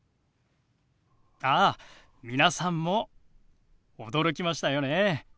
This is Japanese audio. ああ皆さんも驚きましたよね？